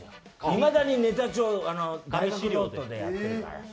いまだにネタ帳、紙でやっているから。